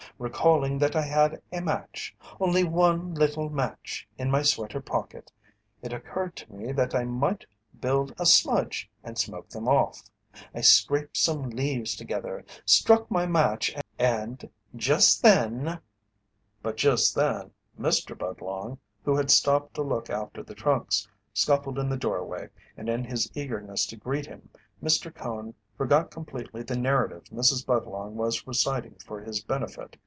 Recalling that I had a match only one little match in my sweater pocket, it occurred to me that I might build a smudge and smoke them off. I scraped some leaves together, struck my match, and, just then " But just then Mr. Budlong, who had stopped to look after the trunks, scuffled in the doorway, and in his eagerness to greet him Mr. Cone forgot completely the narrative Mrs. Budlong was reciting for his benefit.